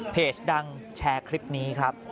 เพจดังแชร์คลิปนี้ครับ